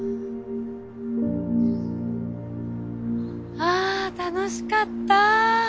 あぁ楽しかった。